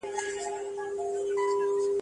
په خلاص زخم کې میکروبونه ژر ننوځي.